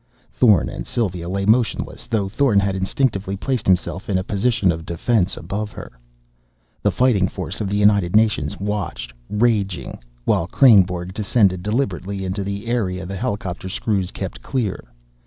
Thorn and Sylva lay motionless, though Thorn had instinctively placed himself in a position of defense above her. The Fighting Force of the United Nations watched, raging, while Kreynborg descended deliberately into the area the helicopter screws kept clear.